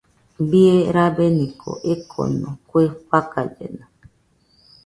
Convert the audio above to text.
Bie rabeniko ekoko, kue fakallena